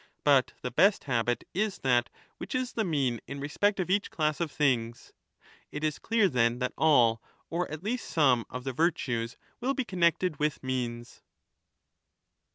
But the best habit is that which is the mean in respect of each class of things. It is clear then that all, or at least some, of the virtues will be connected with means.